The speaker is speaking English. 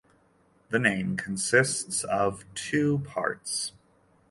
The name consists of two parts.